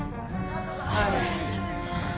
はい。